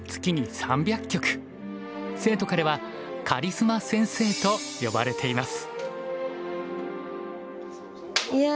生徒からは「カリスマ先生」と呼ばれています。